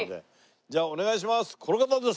じゃあお願いします。